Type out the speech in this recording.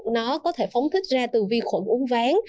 nó có thể phóng thích ra từ vi khuẩn uấn ván